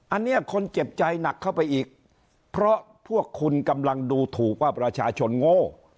อันนี้คนเจ็บใจหนักเข้าไปอีกเพราะพวกคุณกำลังดูถูกว่าประชาชนโง่